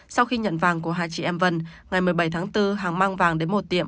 sau khi nhận vàng của hai chị em vân ngày một mươi bảy tháng bốn hằng mang vàng đến một tiệm